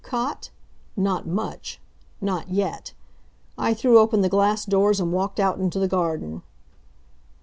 Caught? Not much. Not yet. I threw open the glass doors and walked out into the garden.